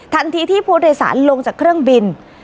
ทันทีที่ผู้โดยสารลงจากเครื่องบิน